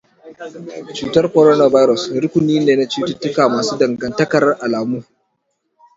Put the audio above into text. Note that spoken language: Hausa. Cutar coronavirus, rukuni ne na cututuka masu dangantakar alamu.